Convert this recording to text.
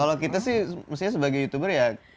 kalau kita sih mestinya sebagai youtuber ya